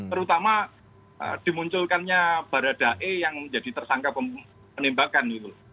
terutama dimunculkannya baradae yang menjadi tersangka penembakan